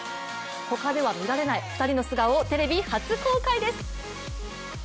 他では見られない２人の素顔をテレビ初公開です。